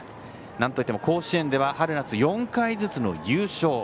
なんといっても甲子園では春夏４回ずつの優勝。